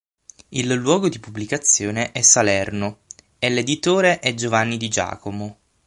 Il luogo di pubblicazione è Salerno e l'editore è Giovanni Di Giacomo.